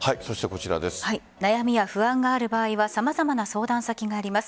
悩みや不安がある場合は様々な相談先があります。